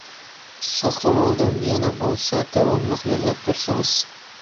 ساقلىۋالدىم، يەنە بولسا داۋاملىق يوللاپ تۇرسىڭىز!